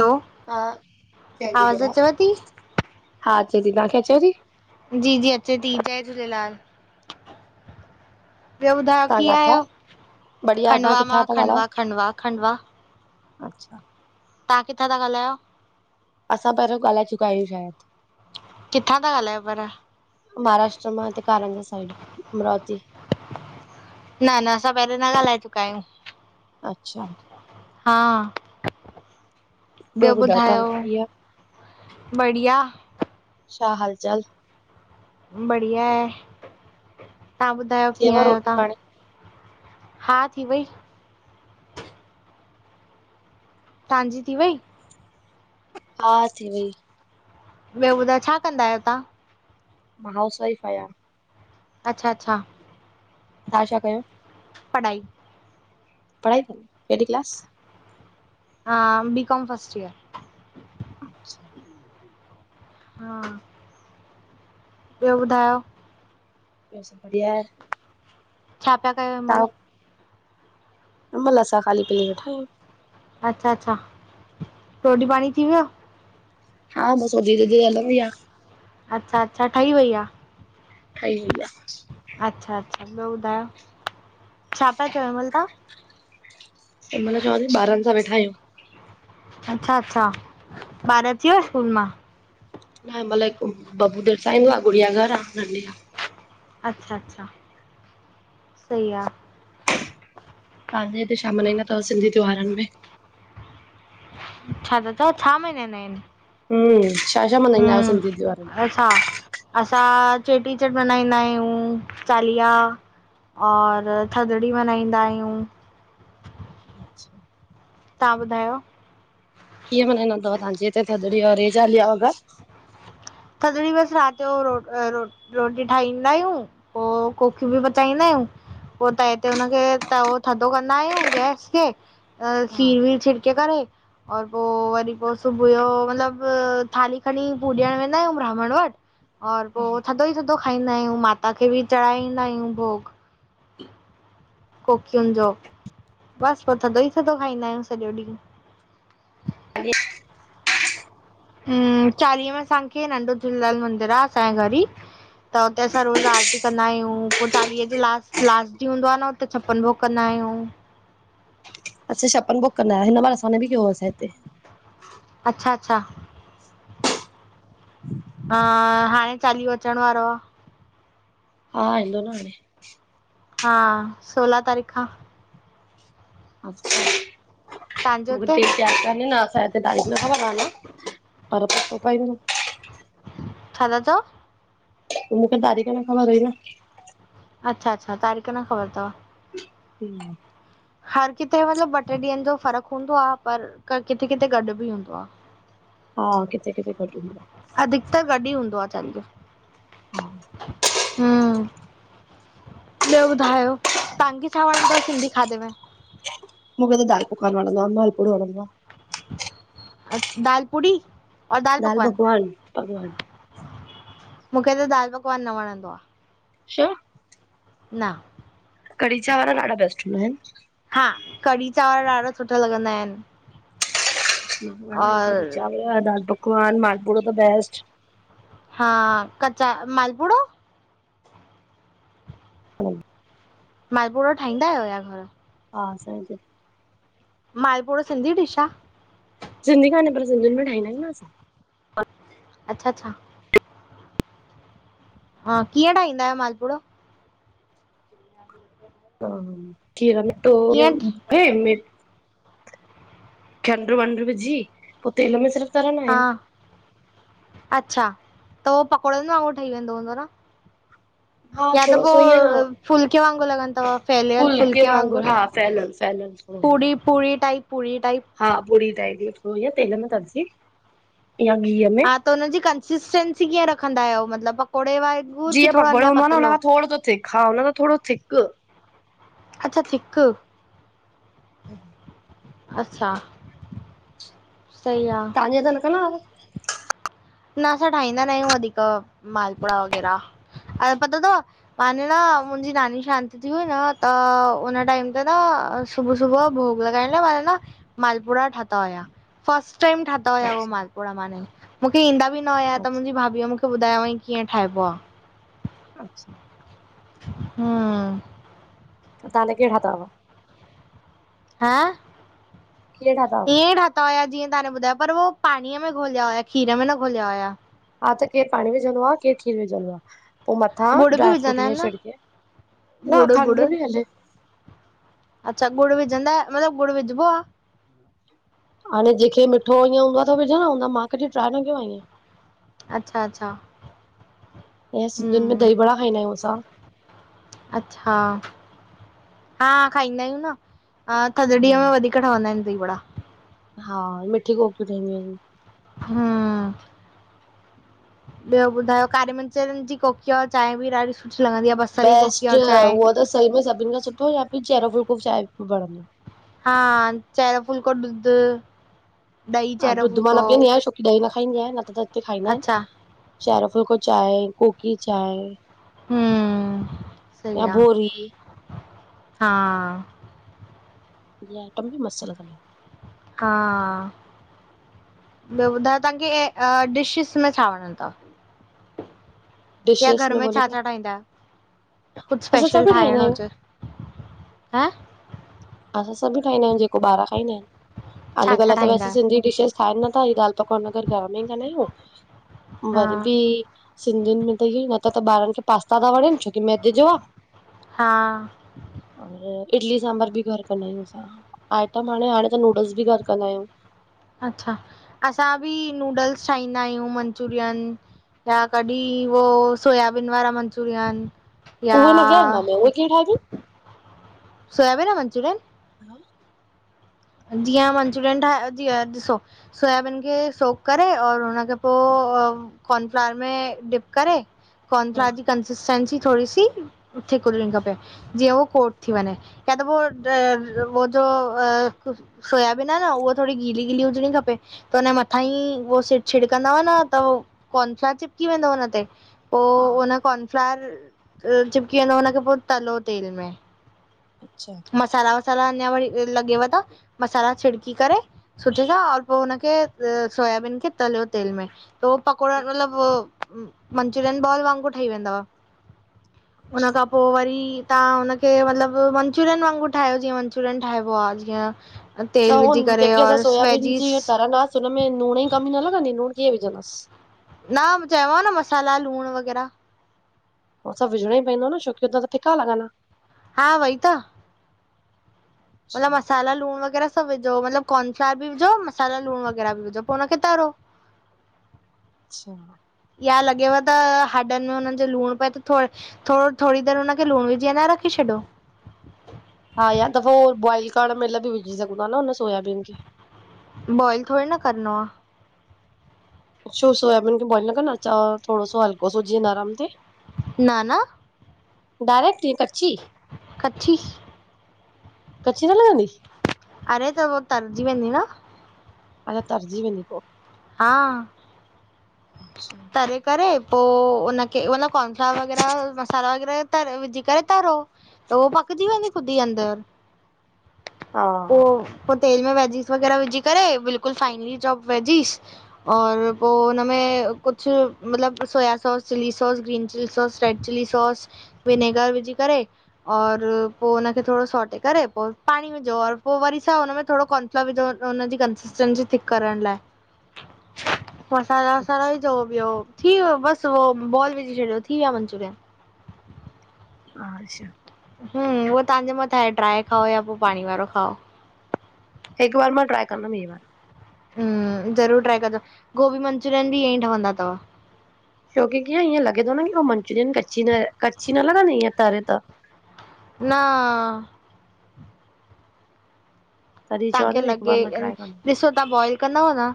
हलो हा, जय आवाज़ झूलेलाल, अचेव थी? हा अचे ती, तहांखे अचेव थी? जी जी अचे ती, जय झूलेलाल! ॿियो ॿुधायो तव्हां कीअं किथां आहियो, बढ़िया तव्हां खंडवा किथां मां, था ॻाल्हायो? खंडवा, खंडवा, खंडवा। अच्छा तहां किथां ता ॻाल्हायो? असां पहिरियों ॻाल्हाए चुका आहियूं, शायदि किथां ता ॻालाह्यो पर? महाराष्ट्र मां हिते कारंन्जा साइड, अमरावती। न न असां पहिरीयु न ॻाल्हाए चुका आहियूं। अच्छा हा, ॿियो ॿुधायो। बढ़िया छा, हाल चाल। बढ़िया ए, तहां ॿुधायो थियव कीअं आहियो रोटी तहां? पाणी? हा, थी वई तहांजी, थी वई? हा थी वई। ॿियो ॿुधायो, छा कंदा आहियो तव्हां? मां हाउस वाइफ आहियां। अच्छा अच्छा तहां छा कयो? पढ़ाई। पढ़ाई कंद्, केॾी क्लास? हा बी कॉम फर्स्ट ईयर। अच्छा। हा। ॿियो ॿुधायो? ॿियो सब बढ़िया ए। छा पिया कयो हिमल? हिमल असां खाली पीली वेठायूं। अच्छा अच्छा, रोटी पांणी थी वियो? हा बस हो धिरे धिरे हलंदी आ। अच्छा अच्छा, ठही वई आ? ठही वई या। अच्छा अच्छा, ॿियो ॿुधायो छा पिया चयो हिमल तहां? हिनमल चवां ती ॿारनि सां वेठायूं। अच्छा अच्छा, ॿार अची यव स्कूल मां? न हिनमल हिकु बब्बू देरि सां ईंदो आ गुड़िया घर आ नंढी आ। अच्छा अच्छा सही आ। तहांजे हिते छा मन्हाईंदा तव सिंधी त्योहारन में? छा ता चओ छा मनाईंदा इनि? हम्म, छा छा मनाइंदा यो सिधीं त्योहारन में? अच्छा। असां चेट्रीचण्ड मनाइंदा आहियूं, चालीहा और थदड़ी मन्हाईंदा आहियूं अच्छा। तहां ॿुधायो? कीअं मानाईंदा तव तहांजे हिते थदड़ी और इह्ये चालीहा वगर? थदड़ी बसि रात जो रो रोटी ठाहींदा आहियूं पो कोकियु भि पचाईंदा हियूं पो तैं ते हुनखे तौं थद्धो कंदा आहियूं गैस खे हा खीर वीर छिड़के करे और पो वरी पो सुबुह यो मतलब थाली खणी पूॾियण वेंदा आहियूं ब्राह्मण वट और पो हा थधो ई थधो धो खाईंदा आहियूं, माता खे बि चढ़ाईंदा आहियूं भोग कोकियुनि जो बस पो थधो ई थधो खाईंदा आहियूं सॼो ॾींहुं। अज [unintelligible] हम्म चालीहे में असांखे नंढो झूलेलाल मंदिर आ, असांजे घर ई। त उते असां रोज़ आरती कंदा आहियूं, पो चालीहे जे लास्ट लास्ट ॾींहुं हूंदो आ न त छपन भोग कंदा आहियूं। अच्छा छपन भोग कंदायो हिन बार असांॾे भी कयो होसिं हिते। अच्छा अच्छा। हम्म [inaudible] हा, हाणे चालीओ अचण वारो आ। हा, ईंदो न हाॾे। हा, सोलहा तारीख़ खां। अच्छा तव्हांजे मूंखे हुते ढेट यादि काने न असां त तााई न ख न न पर पको पाईंदो [unintelligible] छा ता चओ? त मुखे तारीख़ न ख़बर हुयी न। अच्छा अच्छा तारीख़ न ख़बर तव। ह [unintelligible] हर किथे मतिलबु ॿ ट्रे ॾींहंनि जो फ़र्क़ु हूंदो आ पर किथे किथे गॾु ॿि हूंदो आ। हा किथे किथे गॾु हुंदो आ। अधिकतर गॾु ई हूंदो आ चंडु। हुं, ॿियो ॿुधायो? तांहांखे छा वणंदो तव? सिंधी खादे में मुखे त दाल पकवान वणंदो आ माल पूड़ो वणंदो आ। दाल पुड़ी और दाल पकवान मुखे त दाल पकवान न वणंदो आ। छो? न। कढ़ी चावर डाढा बेस्ट हुंदाइन। हा कढ़ी चावर ॾाढा सुठा लॻंदा इन। आहिनि, कढ़ी चावर, दाल पकवान, मालपूड़ो द बेस्ट। हा कचा मालपुड़ो? हा [unintelligible] मालपुड़ो ठाहींदा आहियो या घर में? हा असांजे इते। मालपुड़ो सिंधी डिश आ? सिंधी काने, पर सिंधीन में ठाईंदायूं न असां। अच्छा अच्छा। हा कीअं ठाहींदा आहियो मालपुड़ो? खाली जवाब [inaudible] हा कीर टो [unintelligible] हे मे खंडृ वंडृ विझी पो तेल में सिरिफ तरंदा हा आहियुं। अच्छा, त उहो पकोड़नि वांगुरु, ठई वेंदो हूंदो, न खाली जवाब या त, पो फुल्के, वांगुर लगंतव, फैलियल फुलके फुल्के, वांगुर वांगुरु हा फैलल फैलल थोरो हूंदो आ पुड़ी पुड़ी, वांगुर पुड़ी, वांगुर हा, पुड़ी वांगुर, थोरे या तेल में तरजे, या गिह, में हा त उन्ह, जी कंसिस्टेंसी, कीअं रखंदा आहियो, मतिलबु पकोड़े वांगुरु की जीअं थोरो पकोड़ो अञा हूंदो आ, न हुन पतलो खां थोड़ो स थिक, हा हुनखां, थोड़ो थिक अच्छा! थिक ह [unintelligible] अच्छा, सही, आ अगे्, त न कंदा हुयाव्व! न असां ठाहींदा, न आहियूं वधीक मालपुड़ा, वग़ैरह अ पतो तव माने, न मुंजी नानी शांत, थी हुई न त, उन वक्त ते न सुबु सुबुअ, ॼो भोॻ, लॻाइण लाइ माने न मालपुड़ा, ठाता हुया। पहिर्यों दफो, ठाता हुया उहे अच्छा मालपुड़ा, माने मुखे ईंदा ॿि न हुया, त मुंॼी अच्छा भाभीअ मुखे ॿुधाया, त कीअं ठहिॿो, आ अच्छा, हा त, तांहां कींअ, ठाताव हुआ ह! कीअं ठाता हुआ ईंयें ठात सुठा हुया। जीअं तव्हां ॿुधायो, पर उह पाणीअ, में घोलिया हुया खीर, में न घोलिया हुया हा त, केरु पाणी विझंदो, आहे केरु खीर, विझंदो आहे पोइ, मथां गुड़ सुका बि विझंदा मेवं आहिनि न जी छंड, न गुड़ गुड़ खंड्रू बि हले अच्छा, गुड़, विझंदा मतिलब गुड़ विजबो आहे। हाणे जेके मिठो ईआ हूंदो त विझादो, मां कॾहिं ट्राए, न कयो आहे अच्छा, अच्छा ऐं सिंधियुनि, में हम दही वड़ा खाईंदायूं, असां अच्छा! हा खाईंदा आहियूं, न थदड़ीअ में वधीक केॾा, वढ़ंदा आहिनि दही वड़ा। हा, मिठी कोकियूं, ठहंडियू आहिनि। हू ॿियो, ॿुधाय कारी मिरचरन, जी कोकी आ चांहि, बि ॾाढी, सुठी लॻंदी आहे बेस्ट! उहो त सहई, में सभिनि खां सुठो, या त चहिरो फुलको, चांहि बि वणंदो हा, चायर फुलको, ॾुध ॾही चहिरो ॾुध, मा फुलको, न पियंदी, आहियां छो ॾही न खाईंदी आहियां। न त त हिते खाईंदा आहिनि, अच्छा। चहिरो फुल्को, चांहिं कोकी, चांहिं हम, सही आ, भोरी हा इहो, आइटम बि मस्त लॻंदुई हा, ॿियो ॿुधायो, तव्हांखे आ ठाहिण में छा वणदो अथव आ? या डिशेस घर में बोलो छा त छा, ठाहींदा, आहियो? कुझु, असां सुठो सभु ठाहींदा ठाहिणो आहियूं हुजे ह असां सभु ठ ईंदा आहियूं जेको ॿार खाईंदा, आहिनि, छा छा अॼुकल्ह त हूं ठाहींदा आहियो? सिंधी अलग खाइनि, नथा ही दाल पकवान, अगर घर में ई कंदा आहियूं, हा, वरी बि सिंधियुनि, में त इहो, ई न त त ॿारनि, खे पास्ता ता वणेन, छोकी मैदे जो आ, हा। और इडली सांभर बि। घर कंदा आयूं असां, आइटम हाणे हाणे त नूडल्स बि घर कंदा आयूं। अच्छा, असां बि नूडल्स ठाहींदायूं, मंचूरियन या कॾी वो, सोयाबीन वारा मंचूरियन। या, उहे न कीअं ठाहींदा आहियूं, उहे कीअं ठाहिबी? सोयाबीन वारा मंचूरियन? हा जीअं मंचूरियन ठायां, जी ॾिसो। सोयाबीन खे सोक करे, और उनखे पो कॉर्नफ्लॉर में डिप करे, हा कोर्नफ्लॉर जी कंसिस्टेंसी थोड़ी सी, थिक हुजणी खपे। जीअं हू कोट थी वनें, या त पो अ वोजो सोयाबीन आ न उह थोड़ी गीली गीली हुजणी खपे, त उन मथां ई उहो सि छिड़कंदव न, त कॉर्नफ्लोर चिपकी वेंदो उन ते, पो हा कॉर्नफ्लोर चिपकी वेंदो, उनखे पो तलो तेल में। अच्छा मसाला वसाला अञा वरी लॻेव त, मसाला छिड़की करे सुठे सां, और पो उनखे सोयाबीन खे, तलयो तेल में। तो पकोड़ा मतलब, मंचुरियन बॉल वांगुरु ठई वेंदव। हुन अच्छा। खां पो वरी, तहां हुनखे मतलब वन मंचूरियन वांगुरु ठायो जीअं मंचूरियन ठाइबो आ, जीअं। त तेल ऊ विझी करे जेके असां और सोयाबीन जी वेजिस तरंदास, उनमे नूंण जी कमी न लॻंदी, नूंण कीअं विझंदास? न, चयोमांव न, मसाला लूण वग़ैरा। हो सभु विझणोई पईंदो न, छो की उतां त फिका लॻनां। हा वई त। मतलब मसाला लूण वग़ैरा सब विझो, मतलब कॉनफ्लायर बि विझो मसाला लूण वग़ैरा विझो, पो उनखे तरो। अच्छा या लॻेव त, हाॾन में हुनन जे लूण पए त थोड़े थोडो, थोडी देर उनखे लूण विझी अनां रखी छॾो। हा या त पो, बॉइल करण महिल भी विझी सघूं ता न उन सोयाबीन खे। बॉइल थोड़ी न करनों आ। छो सोयाबीन खे बॉइल न कंदास, थोड़ो सो हलको सो जीएं नरम थे? न न डायरेक्ट ईंएं कच्ची? कची कच्ची न लॻंदी? अरे, त हो तरजी वेंदी न। मत्लब, तरजी वेंदी पो। हा अच्छा तरे करे पो उनखे, मतलब कॉनफ्लार वग़ैरा मसाला वग़ैरा तर, विझी करे तरो। त वो पकजी वेंदी ख़ुदी अंदर, हा पो पो तेल में वैजीस़ वग़ैरा विझी करे, बिल्कुल फाइनली चोप वैजीस़ और पो उनमें, कु मतलब soya sauce chilli sauce green chilli sauce red chilli sauce vinegar विझी करे और पो हुनखे थोडो सोटे करे पो पाणी विझो और पो वरी सा हुन में थोडो कोन [unintelligible] विझो त हुनजी कंसिस्टेंसी थिक करण लाए [inaudible] मसाला वसाला कची विझो ॿियो थी वियो बस उहो बॉल विझी छॾियो, थी वया मंचुरियन। हा छा हुं उहो तां जे मथां आहे ड्राए खाओ या पो पाणी वारो खाओ हिक बार मां ट्राइ कंदम इए वार हुं ज़रूर ट्राइ कजो गोभी मंचूरियन भी ईअं ई ठवंदा थव छोकी कीअ इअं लॻे थो न कि हू मनचूरीयन कची न, कची न लॻंदी हिय तारे त न तॾहिं तां चवां खे थी न हिकु बार लॻे, मां ट्राए कंदमि ॾिसो तां बॉइल कंदव न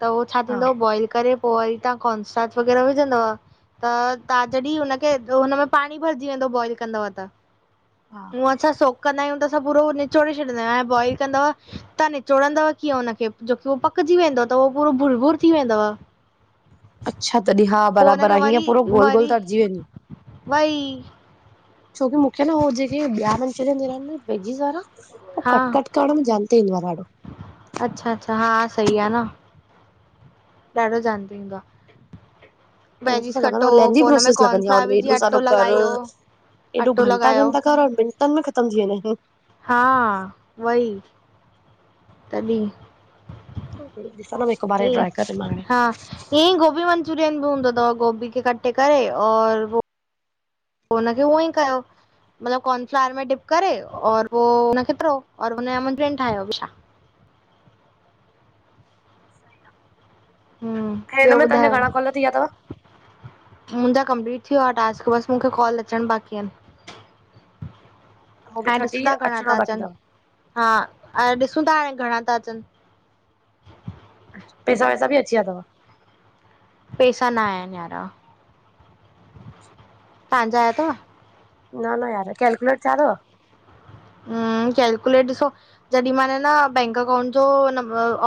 त उह छा हा थींदो बॉइल करे पो वरी तां कॉनसाद वग़ैरह विझंदव त तां जॾी हुनखे हुन में पाणी भरजी वेंदो बॉइल कंदव त हा हूअं असां सोक कंदा आहियूं त असां पूरो निचोड़े छॾीदा आहियूं अऐं बॉइल कंदव तां निचोड़ंदव कीअं हुनखे जोकी उहो पकजी वेंदो त उहो पूरो बुर बुर थी वेंदव अच्छा तॾी, हा पोइ बराबर हुनखे आ हीअं वरी पूरो गोल वरी गोल तरजी वेंदो वई छोकी मूंखे न हो जेके ॿिया मंचुरियन थींदा आहिन वेजिस वारा हो हा कटकट करण में जल्दी ईंदो आ ॾाॾो अच्छा अच्छा हा सही आ न, ॾाडो जल्दी ईंदो आ उहो त लॻंदो आ लेंदी पोइ हुन में प्रोसेस लॻंदी आ, कॉर्नफ्लावर उनमे विझी एॾो अटो सारो कर लॻायो एॾो अटो घंटा लॻायो घंटा कर और मिंटन में ख़तम थी वेंदा आहिन हा वई तॾी आहिनि ॾिसां न हिकु बार ई ट्राए करे मां हाणे हा इए ई गोभियूं आहिन मंचूरियन भी हूंदो थव, गोभी खे कटे करे और पो हुनखे उअं ई कयो मतलब कार्नफ्लावर में डिप करे और पो उनखे तरो और उनन जा मंचुरियन ठाहयो मिठा सही आ हुं ॿियो ॿुधायो कॉल थी विया अथव मुंहिंजा कंप्लीट थी वियो आ टास्क वास्क बस मूंखे कॉल अचण बाकी आहिन [inaudible] हाणे थर्टी ॾिसूं था घणा अचणा था बाक़ी अचन, अथव हा अएं ॾिसूं था हाणे घणा था अचन पैसा वैसा बि अची विया थव पैसा न आया आहिन यारा [inaudible] तां जा आया थव? न न यार, कैलकुलेट थिया थव? हुं कैलकुलेट ॾिसो जॾी मान न बैंक अकाउंट जो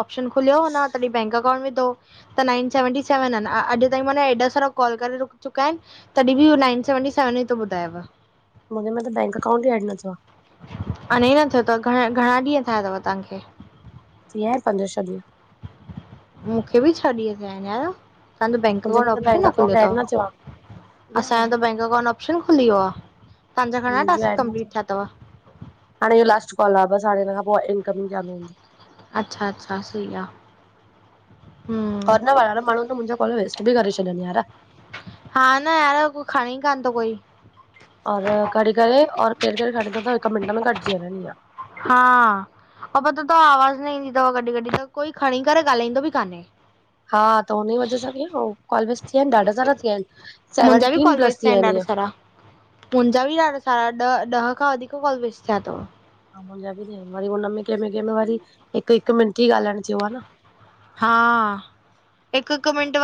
ऑप्शन खुलियो न तॾी बैंक अकाउंट विधो त नाइन सेवनटी सेवन आहिन। अॼु ताईं मां न एॾा सारा कॉल करे चुका आहिन तॾी भी हू नाइन सेवनटी सेवन ई थो ॿुधायव मुंहिंजे मे त बैंक अकाउंट ई एड न थियो आ अञा न थियो तव घणा, घणा ॾींहं थिया तव तव्हांखे? थी वया आहिनि पंज छह ॾींहं। मूंखे बि छह ॾींहं थिया आहिनि यार। तव्हांजो बैंक मुंहिंजे अकाउंट में त ऑप्शन बैंक न खुलियो अकाउंट एड तव न थियो आहे न असांजो त बैंक अकाउंट ऑप्शन खुली वियो आ। मुंजो ऐड् न थियो आ हाणे इहो लास्ट कॉल आ बस हाणे इन खां पो इनकमिंग चालू हूंदी। अच्छा अच्छा सही आ। ओर न ॾाडन माण्हू त मुंजा कॉल वेस्ट बि करे छॾयन यार। हा न यार को खणे ही कोन्ह थो कोई। और खड़ी करेे और केर-केर खड़े तो त हिक मिंट में कटजी वेंदी आ। हा अऊं पतो तव त आवाज न ईंदी तव कॾहिं कॾहिं त कोई खणी करे ॻाल्हाईंदो बि कान्हे हा त हुनजी वजह सां कीअं कॉल वेस्ट थी विया आहिनि ॾाढा सारा थी विया आहिनि मुंहिंजा सेवनटीन प्लस थी विया आहिनि इअं। मुंजा बि ॾाढा सारा ॾह, ॾह खां वधीक कॉल वेस्ट थिया तव। हा मुंजा बि थींदा आहिन वरी हुन में कहिंमे कहिंमे वरी हिक हिक मिंट ही ॻाल्हाइण थियो आ न। हा हिकु हिकु मिंट वा